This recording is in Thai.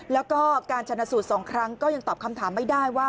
แล้วก็การชนะสูตร๒ครั้งก็ยังตอบคำถามไม่ได้ว่า